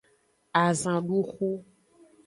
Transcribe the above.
Azanduxu.